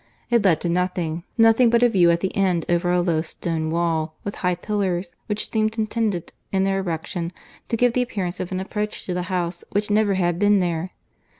—It led to nothing; nothing but a view at the end over a low stone wall with high pillars, which seemed intended, in their erection, to give the appearance of an approach to the house, which never had been there.